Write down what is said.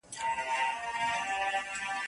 امیر ږغ کړه ویل ستا دي هم په یاد وي